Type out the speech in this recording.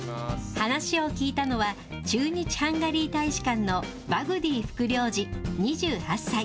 話を聞いたのは、駐日ハンガリー大使館のバグディ副領事２８歳。